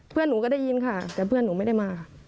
เพื่อนหนูก็ได้ยินค่ะแต่เพื่อนหนูไม่ได้มาค่ะ